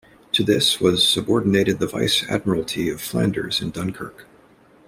To this was subordinated the Vice-Admiralty of Flanders in Dunkirk.